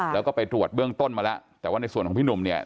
แล้วก็ไปตรวจเบื้องต้นมาแล้วแต่ว่าในส่วนของพี่หนุ่มเนี่ย